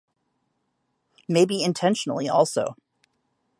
Maybe intentionally also.